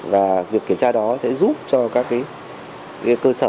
và việc kiểm tra đó sẽ giúp cho các cơ sở